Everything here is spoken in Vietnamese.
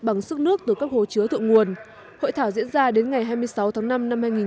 bằng sức nước từ các hồ chứa thượng nguồn hội thảo diễn ra đến ngày hai mươi sáu tháng năm năm hai nghìn hai mươi